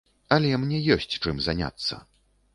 Але мне ёсць чым заняцца.